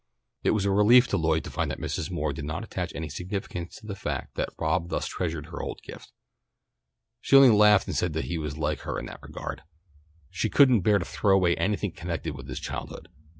It was a relief to Lloyd to find that Mrs. Moore did not attach any significance to the fact that Rob thus treasured her old gift. She only laughed and said he was like her in that regard. She couldn't bear to throw away anything connected with his childhood.